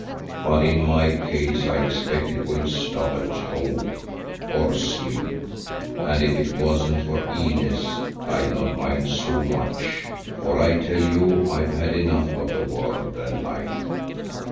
But in my case I expect it will stop at hope, or sleep, and if it wasn't for Inez, I'd not mind so much, for I tell you I've had enough of the world and life.